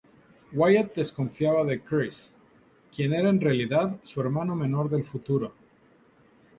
Wyatt desconfiaba de Chris, quien era en realidad su hermano menor del futuro.